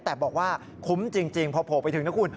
แต่บอกว่าคุ้มจริงพอโผล่ไปถึงนะคุณ